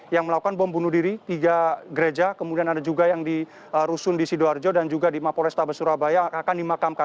yang melakukan bom bunuh diri tiga gereja kemudian ada juga yang di rusun di sidoarjo dan juga di mapol restabes surabaya akan dimakamkan